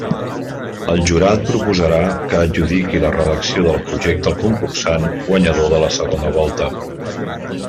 El Jurat proposarà que adjudiqui la redacció del Projecte al concursant guanyador de la segona volta.